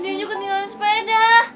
nadinya ketinggalan sepeda